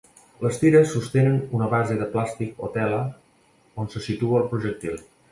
Les tires sostenen una base de plàstic o tela on se situa el projectil.